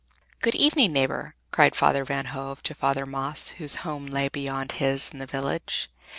"Good evening, neighbor," cried Father Van Hove to Father Maes, whose home lay beyond his in the village.